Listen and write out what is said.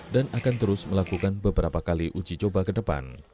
dan akan terus melakukan beberapa kali uji coba ke depan